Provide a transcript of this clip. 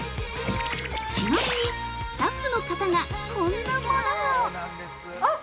ちなみに、スタッフの方がこんなものを◆あっ！